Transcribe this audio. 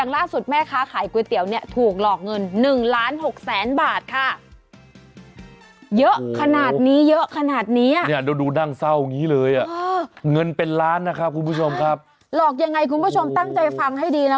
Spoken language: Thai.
ลอกยังไงคุณผู้ชมตั้งใจฟังให้ดีนะ